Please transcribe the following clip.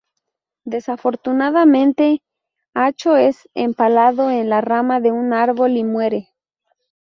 Desafortunadamente, Acho es empalado en la rama de un árbol y muere.